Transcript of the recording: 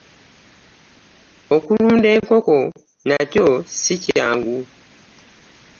Okulunda enkoko n'akyo ssikyangu